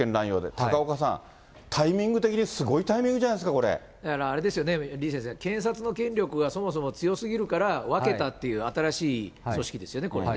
高岡さん、タイミング的にすごいタイミングじゃないですか、だからあれですよね、李先生、検察の権力がそもそも強すぎるから分けたっていう新しい組織ですよね、これね。